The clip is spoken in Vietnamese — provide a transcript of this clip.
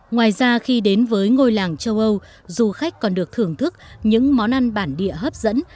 ngoài ra khi đến với ngôi làng châu âu du khách còn được thưởng thức những món ăn bản địa hấp dẫn